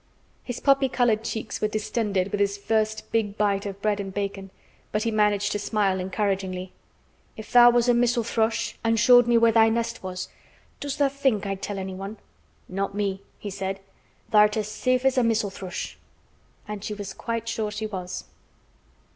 His poppy colored cheeks were distended with his first big bite of bread and bacon, but he managed to smile encouragingly. "If tha' was a missel thrush an' showed me where thy nest was, does tha' think I'd tell anyone? Not me," he said. "Tha' art as safe as a missel thrush." And she was quite sure she was.